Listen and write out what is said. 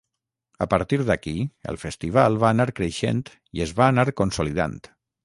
A partir d'aquí, el festival va anar creixent i es va anar consolidant.